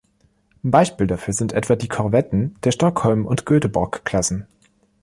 Beispiele dafür sind etwa die Korvetten der Stockholm- und Göteborg-Klassen.